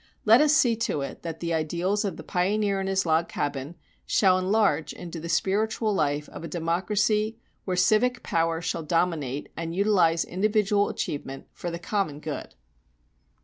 Let us see to it that the ideals of the pioneer in his log cabin shall enlarge into the spiritual life of a democracy where civic power shall dominate and utilize individual achievement for the common good.